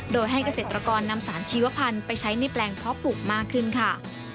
โดยให้เกษตรกรนำสารชีวพันธุ์ไปใช้ในแปลงเพาะปลูกมากขึ้นค่ะ